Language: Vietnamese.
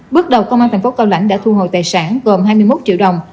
bước đầu công an thành phố cao lãnh đã thu hồi tài sản gồm hai mươi một triệu đồng